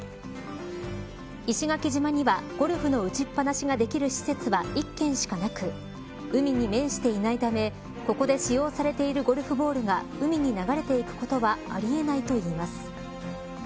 石垣島にはゴルフの打ちっぱなしができる施設は１件しかなく海に面していないためここで使用されているゴルフボールが海に流れていくことはあり得ないといいます。